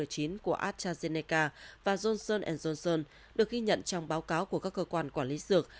của astrazeneca và johnson johnson được ghi nhận trong báo cáo của các cơ quan quản lý dược